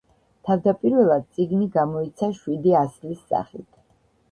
თავდაპირველად წიგნი გამოიცა შვიდი ასლის სახით.